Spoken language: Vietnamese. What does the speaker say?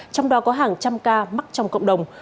trong đó có hàng trăm ca mắc trong cộng đồng